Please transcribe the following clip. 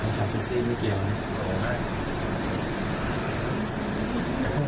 ทางล่างยิ่งหรือได้ไหม